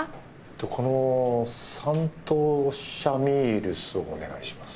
このサントウシャミールスをお願いします。